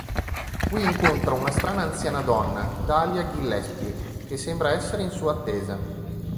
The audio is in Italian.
Qui incontra una strana anziana donna, Dahlia Gillespie, che sembra essere in sua attesa.